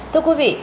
thưa quý vị